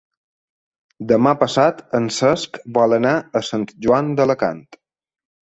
Demà passat en Cesc vol anar a Sant Joan d'Alacant.